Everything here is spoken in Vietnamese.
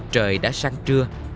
trời đã sáng trưa